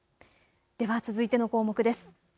では続いての項目です。